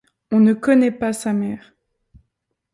On ne connaît pas sa mère.